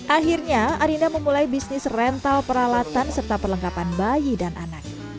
akhirnya arinda memulai bisnis rental peralatan serta perlengkapan bayi dan anak